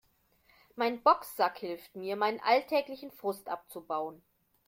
Mein Boxsack hilft mir, meinen alltäglichen Frust abzubauen.